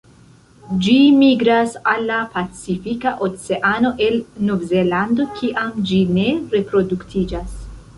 Ĝi migras al la Pacifika Oceano el Novzelando kiam ĝi ne reproduktiĝas.